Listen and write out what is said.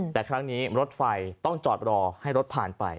แต่ครั้งนี้รถไฟต้องจอดรอให้รถผ่านไป